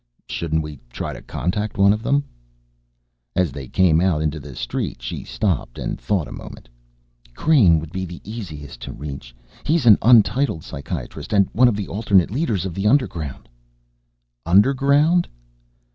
"Shouldn't we try to contact one of them?" As they came out into the street, she stopped and thought a moment. "Crane would be the easiest to reach. He's an untitled psychiatrist and one of the alternate leaders for the underground." "Underground?"